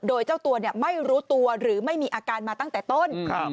โดยเจ้าตัวเนี่ยไม่รู้ตัวหรือไม่มีอาการมาตั้งแต่ต้น